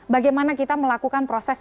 bagaimana kita melakukan proses